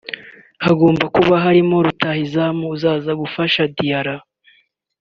Hagomba kuba harimo rutahizamu uzaza gufasha Diarra